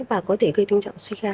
và có thể gây tình trạng suy gan